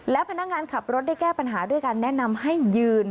และพนักงานขับรถได้แก้ปัญหาด้วยการแนะนำให้ยืน